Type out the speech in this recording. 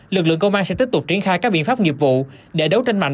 lực lượng công an sẽ tiếp tục triển khai các biện pháp nghiệp vụ để đấu tranh mạnh